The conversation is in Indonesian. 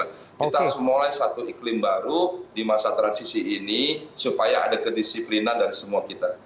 kita harus mulai satu iklim baru di masa transisi ini supaya ada kedisiplinan dari semua kita